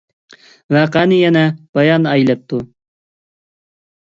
ۋەقەنى يەنە بايان ئەيلەپتۇ.